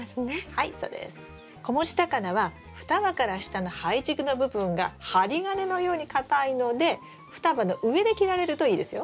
はいそうです。子持ちタカナは双葉から下の胚軸の部分が針金のように硬いので双葉の上で切られるといいですよ。